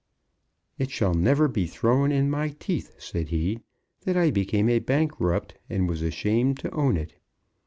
"It shall never be thrown in my teeth," said he, "that I became a bankrupt and was ashamed to own it."